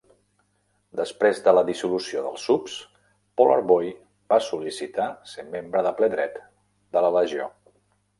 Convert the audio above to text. Després de la dissolució dels Subs, Polar Boy va sol·licitar ser membre de ple dret de la Legió.